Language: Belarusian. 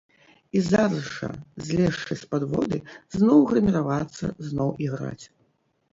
І зараз жа, злезшы з падводы, зноў грыміравацца, зноў іграць.